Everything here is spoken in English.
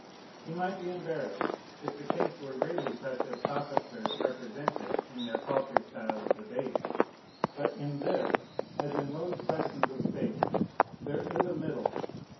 He might be embarrassed, if the case were really such as sophisters represent it in their paltry style of debating. But in this, as in most questions of state, there is a middle.